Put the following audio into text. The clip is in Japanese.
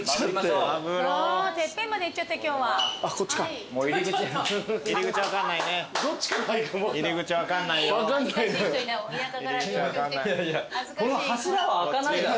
この柱は開かないだろ。